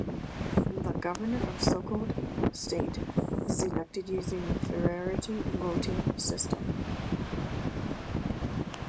The Governor of Sokoto State is elected using the plurality voting system.